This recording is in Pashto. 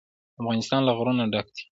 افغانستان له غرونه ډک دی.